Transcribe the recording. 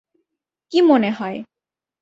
কি মনে হয়?